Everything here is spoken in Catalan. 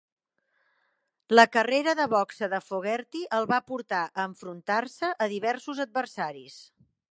La carrera de boxa de Fogerty el va portar a enfrontant-se a diversos adversaris.